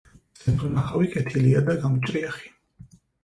მზეთუნახავი კეთილია და გამჭრიახი.